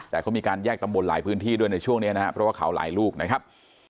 แต่เขามีการแยกตำบลหลายพื้นที่ด้วยในช่วงนี้นะครับเพราะว่าเขาหลายลูกนะครับ